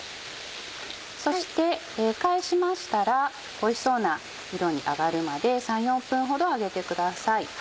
そして返しましたらおいしそうな色に揚がるまで３４分ほど揚げてください。